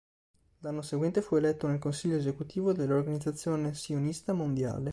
L'anno seguente fu eletto nel Consiglio Esecutivo dell'Organizzazione Sionista Mondiale.